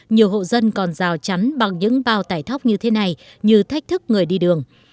nhiều hộ dân còn rào chắn bằng những bao tải thóc như thế này như thách thức người đi đường